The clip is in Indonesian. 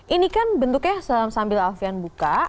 ini kan bentuknya sambil alfian buka